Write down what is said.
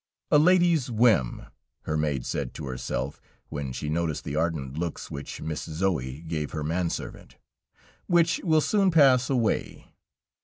"A lady's whim," her maid said to herself, when she noticed the ardent looks which Miss Zoë gave her manservant, "which will soon pass away."